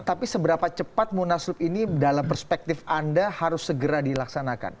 tapi seberapa cepat munaslup ini dalam perspektif anda harus segera dilaksanakan